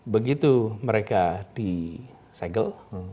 begitu mereka disegel